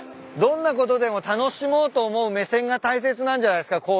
どんなことでも楽しもうと思う目線が大切なんじゃないっすか？